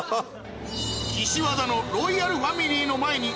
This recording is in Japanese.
岸和田のロイヤルファミリーの前に